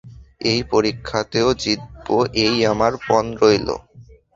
এই পরীক্ষাতেও জিতব এই আমার পণ রইল।